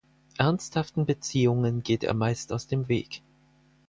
Ernsthaften Beziehungen geht er meist aus dem Weg.